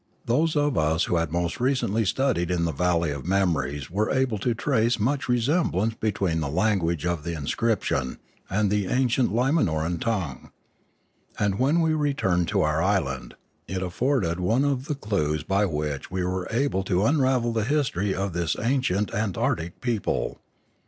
Those of us who had most recently studied in the valley of memories were able to trace much resemblance between the language of the inscription and the ancient Lima noran tongue; and when we returned to our island, it afforded one of the clues by which we were able to unravel the history of this ancient antarctic people.